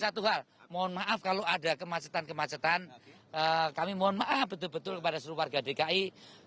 dan satu hal mohon maaf kalau ada kemacetan kemacetan kami mohon maaf betul betul kepada seluruh warga dki